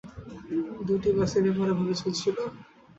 দুটি বাসই বেপরোয়াভাবে চলছিল।